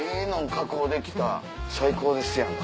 確保できた最高ですやんか。